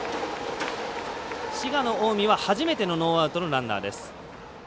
滋賀、近江は初めてのノーアウトのランナーです。